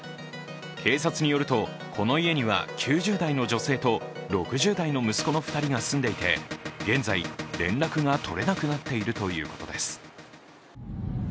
警察によると、この家には９０代の女性と６０代の息子の２人が住んでいて現在、連絡が取れなくなっているということです。